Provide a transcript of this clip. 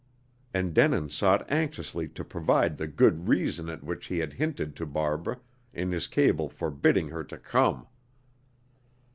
And Denin sought anxiously to provide the "good reason" at which he had hinted to Barbara, in his cable forbidding her to come.